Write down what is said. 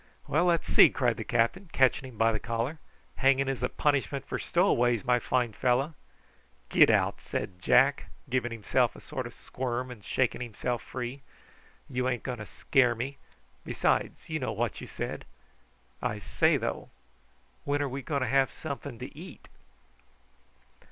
"Well, let's see," cried the captain, catching him by the collar; "hanging is the punishment for stowaways, my fine fellow." "Get out!" said Jack, giving himself a sort of squirm and shaking himself free. "You ain't going to scare me; and, besides, you know what you said. I say, though, when are we going to have something to eat?"